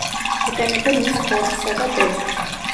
იყენებენ მის ხორცსა და ბეწვს.